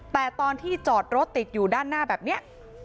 แต่ตอนที่จอดรถติดอยู่ด้านหน้าแบบนี้